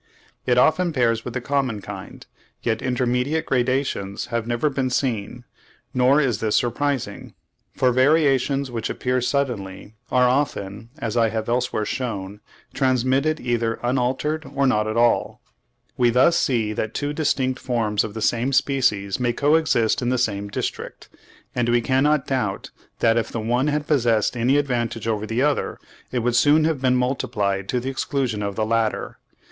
It often pairs with the common kind, yet intermediate gradations have never been seen; nor is this surprising, for variations which appear suddenly, are often, as I have elsewhere shewn (42. 'Variation of Animals and Plants under Domestication,' vol. ii. p. 92.), transmitted either unaltered or not at all. We thus see that two distinct forms of the same species may co exist in the same district, and we cannot doubt that if the one had possessed any advantage over the other, it would soon have been multiplied to the exclusion of the latter.